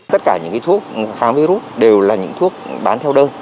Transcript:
tất cả những thuốc kháng virus đều là những thuốc bán theo đơn